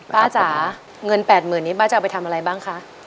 ป้าจ๋าเงิน๘๐๐๐นี้ป้าจะเอาไปทำอะไรบ้างคะ